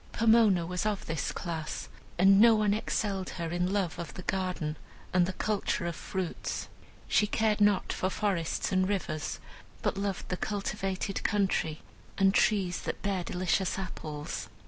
Pomona was of this class, and no one excelled her in love of the garden and the culture of fruit. She cared not for forests and rivers, but loved the cultivated country, and trees that bear delicious apples.